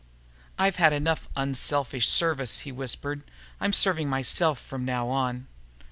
"I've had enough 'unselfish service'," he whispered. "I'm serving myself from now on."